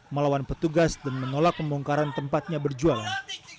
melawan petugas dan menolak pembongkaran tempatnya berjualan